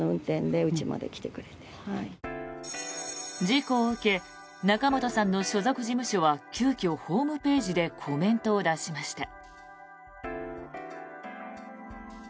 事故を受け仲本さんの所属事務所は急きょ、ホームページでコメントを出しました。